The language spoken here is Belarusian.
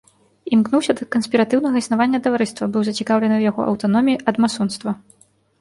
Імкнуўся да канспіратыўнага існавання таварыства, быў зацікаўлены ў яго аўтаноміі ад масонства.